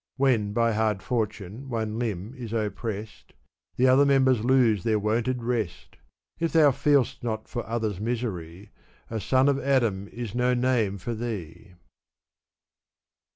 When by hard fortune one limb is oppressed, The other members lose their wonted rest : If thou feel'st not for others' misery, A son of Adam is no name for thee.